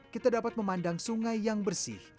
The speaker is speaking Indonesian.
kita dapat memandang sungai yang bersih